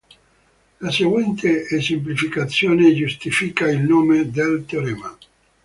La seguente esemplificazione giustifica il nome del teorema.